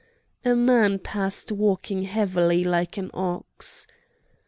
A man passed walking heavily like an ox.